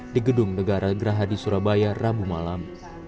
di gedung negara geraha di surabaya rabu malam